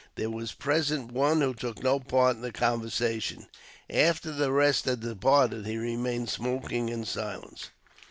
There was present one who took no part in the conversation. After the rest had departed he remained smoking in silence.